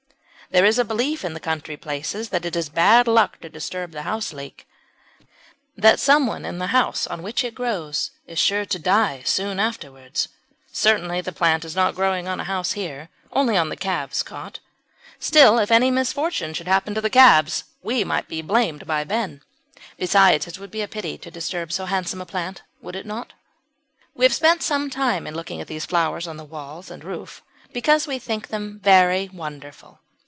There is a belief in country places that it is bad luck to disturb the Houseleek that someone in the house on which it grows is sure to die soon afterwards. Certainly the plant is not growing on a house here only on the calves' cot. Still, if any misfortune should happen to the calves we might be blamed by Ben. Besides, it would be a pity to disturb so handsome a plant, would it not? We have spent some time in looking at these flowers on the walls and roof because we think them very wonderful.